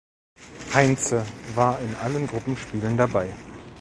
Heintze war in allen Gruppenspielen dabei.